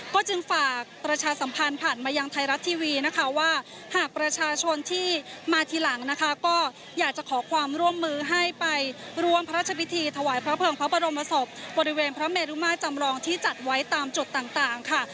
ก็จึงฝากประชาสัมพันธ์ผ่านมายังไทยรัฐทีวีนะคะว่าหากประชาชนที่มาทีหลังนะคะก็อยากจะขอความร่วมมือให้ไปร่วมพระราชพิธีถวายพระเภิงพระบรมศพบริเวณพระเมรุมาจำลองที่จัดไว้ตามจุดต่างค่ะ